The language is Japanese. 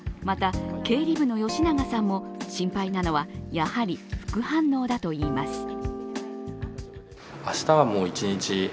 また経理部の吉永さんも心配なのは、やはり副反応だといいます。